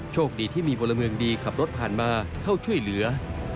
โชคดีที่มีพลเมืองดีขับรถผ่านมาเข้าช่วยเหลือ